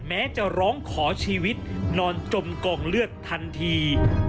แม้จะร้องขอชีวิตนอนจมกองเลือดทันที